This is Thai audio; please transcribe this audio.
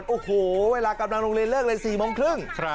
โอ้โหเวลากำลังโรงเรียนเลิกเลย๔โมงครึ่ง